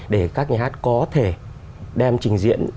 để các nhà hát có thể đem trình diễn